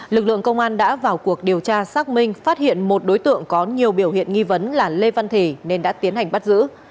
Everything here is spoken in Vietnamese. lực lượng công an đã vào cuộc điều tra xác minh phát hiện một đối tượng có nhiều biểu hiện nghi vấn là lê văn thì nên đã tiến hành bắt giữ